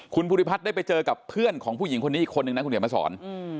คุณภูริพัฒน์ได้ไปเจอกับเพื่อนของผู้หญิงคนนี้อีกคนนึงนะคุณเขียนมาสอน